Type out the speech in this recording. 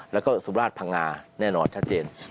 แล้วก็สุราชพังงาแน่นอนชัดเจน